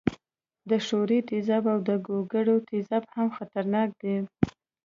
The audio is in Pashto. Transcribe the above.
د ښورې تیزاب او د ګوګړو تیزاب هم خطرناک دي.